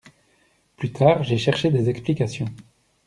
Plus tard, j’ai cherché des explications.